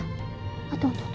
tunggu tunggu tunggu